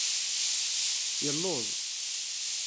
Yelluẓ.